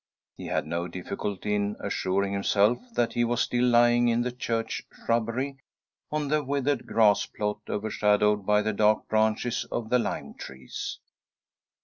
He had no difficulty in assuring himself, that he was still lying in the church shrubbery, on the withered grass plot overshadowed by the dark branches of the lime trees.